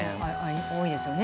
多いですよね。